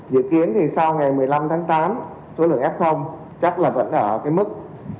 dự kiến thì sau ngày một mươi năm tháng tám số lượng f chắc là vẫn ở mức khoảng ba